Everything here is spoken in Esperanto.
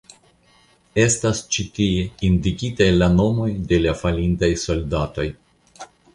Estas ĉi tie indikitaj la nomoj de la falintaj soldatoj.